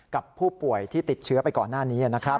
กับผู้ป่วยที่ติดเชื้อไปก่อนหน้านี้นะครับ